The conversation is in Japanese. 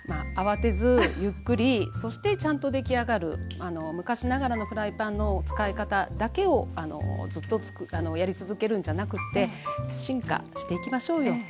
あわてずゆっくりそしてちゃんと出来上がるあの昔ながらのフライパンの使い方だけをあのずっとやり続けるんじゃなくて進化していきましょうよ